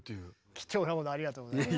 貴重なものありがとうございます。